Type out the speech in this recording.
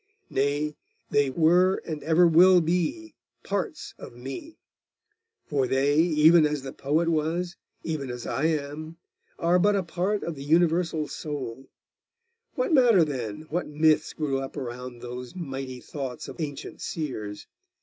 Nay, they were and ever will be parts of me; for they, even as the poet was, even as I am, are but a part of the universal soul. What matter, then, what myths grew up around those mighty thoughts of ancient seers?